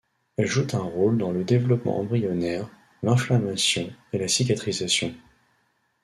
Elles jouent un rôle dans le développement embryonnaire, l'inflammation et la cicatrisation.